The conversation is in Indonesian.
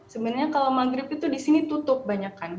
sebenarnya kalau maghrib itu disini tutup banyakan